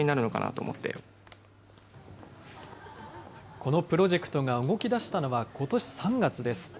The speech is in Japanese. このプロジェクトが動きだしたのはことし３月です。